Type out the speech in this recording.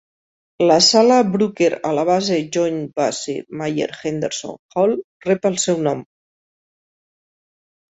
La sala Brucker a la base Joint Base Myer–Henderson Hall rep el seu nom.